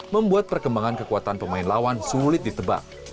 membuat perkembangan kekuatan pemain lawan sulit ditebak